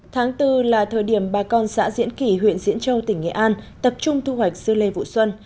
tháng bốn là thời điểm bà con xã diễn kỳ huyện diễn châu tỉnh nghệ an tập trung thu hoạch dưa lê vụ xuân